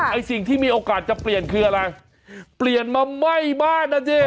ไอ้สิ่งที่มีโอกาสจะเปลี่ยนคืออะไรเปลี่ยนมาไหม้บ้านนะสิ